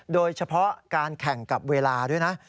โดยเฉพาะการแข่งกับเวลาด้วยนะ